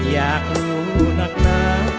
อยากรู้นักหนา